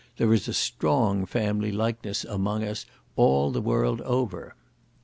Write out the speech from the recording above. There is a strong family likeness among us all the world over.